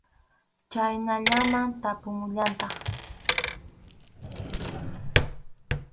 Chhaynallaman tapumullantaq.